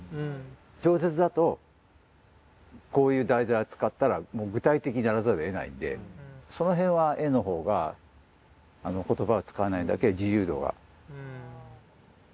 小説だとこういう題材を扱ったらもう具体的にならざるをえないんでその辺は絵の方が言葉を使わないだけ自由度が。